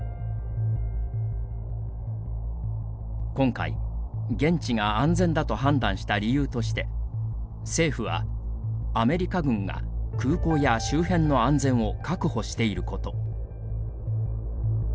今回、現地が安全だと判断した理由として、政府はアメリカ軍が空港や周辺の安全を確保していること。